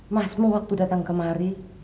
masmu waktu datang kemari